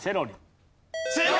正解！